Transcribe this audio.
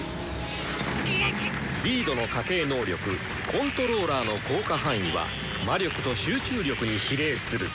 リードの家系能力「感覚強盗」の効果範囲は魔力と集中力に比例する！